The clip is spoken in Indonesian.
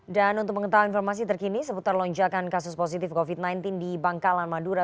dan untuk mengetahui informasi terkini seputar lonjakan kasus positif covid sembilan belas di bangkalan madura